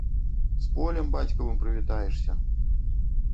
З полем бацькавым прывітаешся!